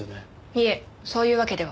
いえそういうわけでは。